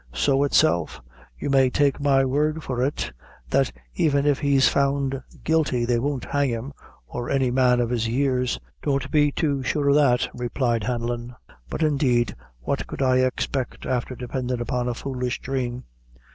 "So itself; you may take my word for it, that even if he's found guilty, they won't hang him, or any man of his years." "Don't be too sure o' that," replied Hanlon; "but indeed what could I expect afther dependin' upon a foolish dhrame?"